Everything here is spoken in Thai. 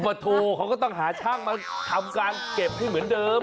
โทรเขาก็ต้องหาช่างมาทำการเก็บให้เหมือนเดิม